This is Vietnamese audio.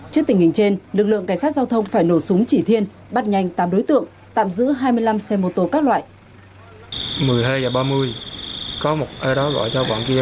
trước tình hình trên lực lượng cảnh sát giao thông phải nổ súng chỉ thiên bắt nhanh tám đối tượng tạm giữ hai mươi năm xe mô tô các loại